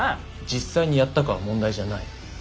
実際にやったかは問題じゃない。